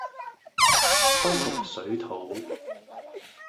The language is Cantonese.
不服水土